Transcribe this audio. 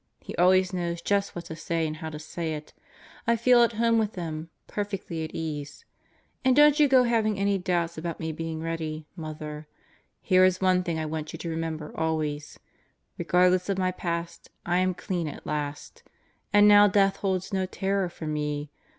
He always knows just what to say and how to say it. I feel at home with him, perfectly at ease* And don't you go having any doubts about me being ready, Mother. Here is one thing I want you to remember always: Regardless of my past, I am clean at last. And now Death holds no terror for me.